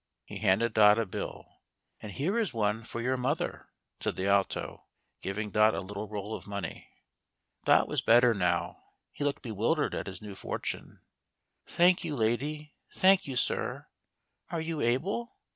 He handed Dot a bill. " And here is one for your mother," said the Alto, giving Dot a little roll of money. Dot was better now. He looked bewildered at his new fortune. " Thank you, lady. Thank you, sir. Are you able?